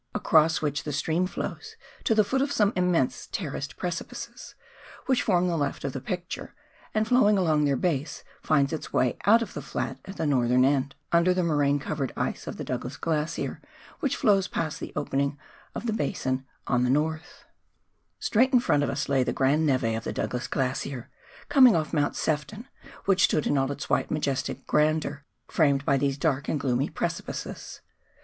across which the stream flows to the foot of some immense terraced preci pices, which form the left of the picture, and flowing along their base, finds its way out of the flat at the northern end, under the moraine covered ice of the Douglas Glacier, which flows past the opening of the basin on the north. 236 PIONEER WORK IN THE ALPS OF NEW ZEALAND. Straight in front of us lay the grand neve of the Douglas Glacier, coming off Mount Sefton, which stood in all its white majestic grandeur, framed by these dark and gloomy precipices.